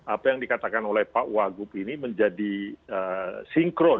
apa yang dikatakan oleh pak uwagub ini menjadi singkatan